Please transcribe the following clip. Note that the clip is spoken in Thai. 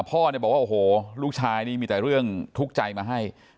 พ่อเนี่ยบอกว่าโอ้โหลูกชายนี่มีแต่เรื่องทุกข์ใจมาให้